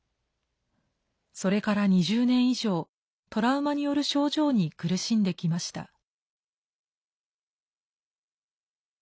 それから２０年以上トラウマによる症状に苦しんできました。